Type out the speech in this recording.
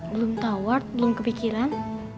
belum tahu ward belum kepikiran